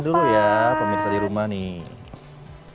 dulu ya pemirsa di rumah nih